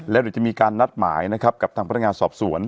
แล้วจะมีการนัดหมายกับทางพงศ